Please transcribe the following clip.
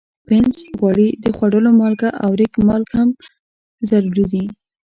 پنس، غوړي، د خوړلو مالګه او ریګ مال هم ضروري دي.